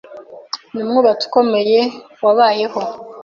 Ni umwubatsi ukomeye wabayeho.